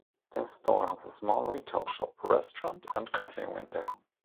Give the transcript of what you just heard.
This store has a small retail shop, restaurant and coffee window.